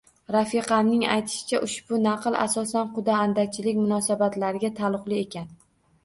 Rafiqamning aytishicha, ushbu naql, asosan, quda-andachilik munosabatlariga taalluqli ekan